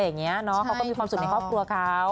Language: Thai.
เขามีความสุขในครอบครัวเขา